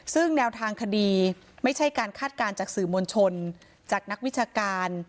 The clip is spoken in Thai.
ซึ่งแนวทางคดีไม่ใช่การคาดการณ์จากสื่อมวลชนจากนักวิชาการ